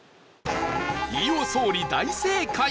飯尾総理大正解